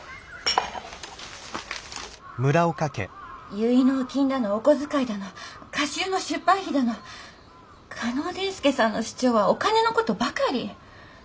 結納金だのお小遣いだの歌集の出版費だの嘉納伝助さんの主張はお金の事ばかり！